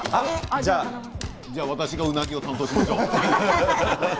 じゃあ私がうなぎを担当します。